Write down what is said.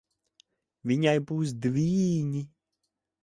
Viņai būs dvīņi.